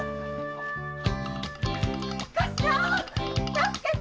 助けて！